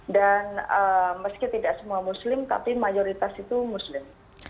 dan meski tidak semua muslim tapi mayoritas itu muslim